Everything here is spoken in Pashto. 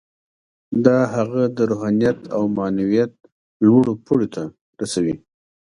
دا هغه د روحانیت او معنویت لوړو پوړیو ته رسوي